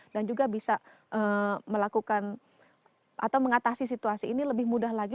dan juga bisa melakukan atau mengatasi situasi ini lebih mudah lagi